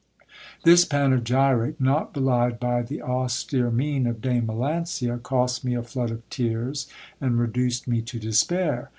This panegyric, not belied by the austere mien of Dame Melancia, cost me a flood of tears, and reduced me to despair.